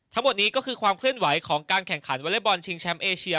ทั้งหมดนี้ก็คือความเคลื่อนไหวของการแข่งขันวอเล็กบอลชิงแชมป์เอเชีย